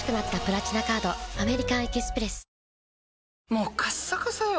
もうカッサカサよ